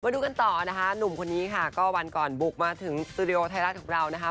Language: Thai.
ดูกันต่อนะคะหนุ่มคนนี้ค่ะก็วันก่อนบุกมาถึงสตูดิโอไทยรัฐของเรานะคะ